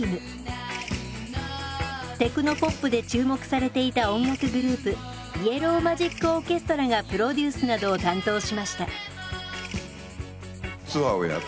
テクノポップで注目されていた音楽グループイエロー・マジック・オーケストラがプロデュースなどを担当しました。